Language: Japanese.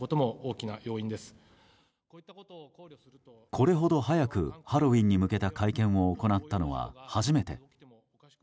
これほど早くハロウィーンに向けた会見を行ったのは初めて。